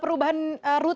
terima kasih pak